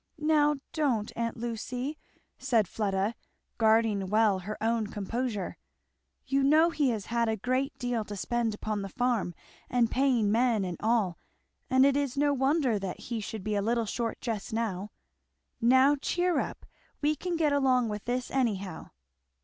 "Now don't, aunt Lucy!" said Fleda, guarding well her own composure; "you know he has had a great deal to spend upon the farm and paying men, and all, and it is no wonder that he should be a little short just now, now cheer up! we can get along with this anyhow."